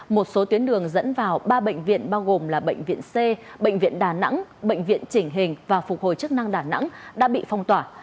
một số tuyến đường dẫn vào ba bệnh viện bao gồm là bệnh viện c bệnh viện đà nẵng bệnh viện chỉnh hình và phục hồi chức năng đà nẵng đã bị phong tỏa